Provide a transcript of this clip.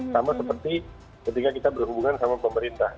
sama seperti ketika kita berhubungan sama pemerintah